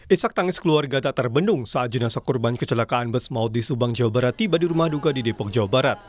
isak tangis keluarga tak terbendung saat jenazah korban kecelakaan bus maut di subang jawa barat tiba di rumah duka di depok jawa barat